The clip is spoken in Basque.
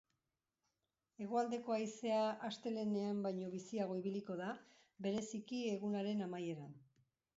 Hegoaldeko haizea astelehenean baino biziago ibiliko da, bereziki egunaren amaieran.